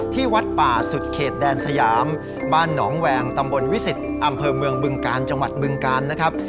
ที่วัดป่าสุดเขตแดนสยามบ้านหนองแวงตำบลวิสิตอำเภอเมืองบึงกาลจังหวัดบึงกาลนะครับ